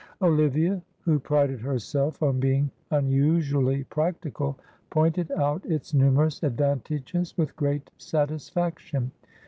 Olivia, who prided herself on being unusually practical, pointed out its numerous advantages with great satisfaction.